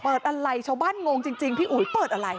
เปิดอะไรชาวบ้านงงจริงพี่อุ๋ยเปิดอะไร